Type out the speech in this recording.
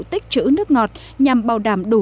tích trữ nước ngọt nhằm bảo đảm đủ